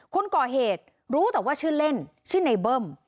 คนก่อเหตุรู้แต่ว่าชื่อเล่นชื่อในเบิ้ม